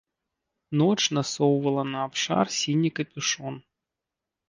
Ноч насоўвала на абшар сіні капюшон.